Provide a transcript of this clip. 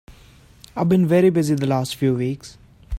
I've been very busy the last few weeks.